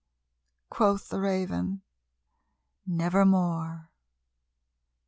Quoth the Raven, "Nevermore."